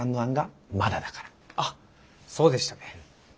あっそうでしたね。